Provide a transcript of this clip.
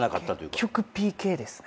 結局ＰＫですね。